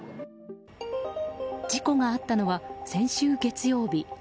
事故があったの先週月曜日。